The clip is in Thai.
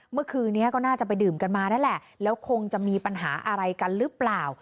เมื่อคืนนี้ก็น่าจะไปดื่มกันมานั่นแหละแล้วคงจะมีปัญหาอะไรกันหรือเปล่า